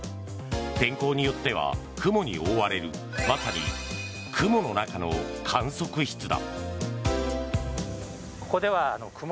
天候によっては雲に覆われるまさに、雲の中の観測室だ。